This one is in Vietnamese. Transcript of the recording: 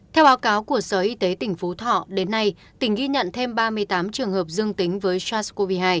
theo báo cáo của sở y tế tỉnh phú thọ đến nay tỉnh ghi nhận thêm ba mươi tám trường hợp dương tính với sars cov hai